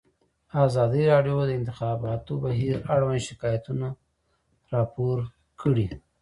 ازادي راډیو د د انتخاباتو بهیر اړوند شکایتونه راپور کړي.